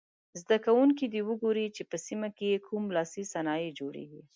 زده کوونکي دې وګوري چې په سیمه کې یې کوم لاسي صنایع جوړیږي.